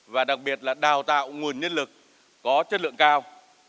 và đặc biệt là đào tạo nguồn nhân lực có chất lượng cao